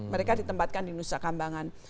mereka ditempatkan di nusa kambangan